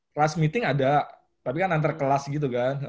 kelas meeting ada tapi kan antar kelas gitu kan